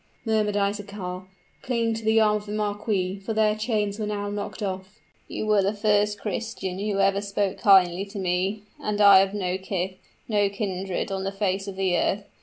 murmured Isaachar, clinging to the arm of the marquis, for their chains were now knocked off. "You were the first Christian who ever spoke kindly to me; and I have no kith no kindred on the face of the earth.